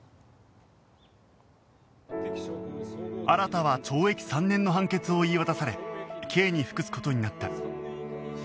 新は懲役３年の判決を言い渡され刑に服す事になった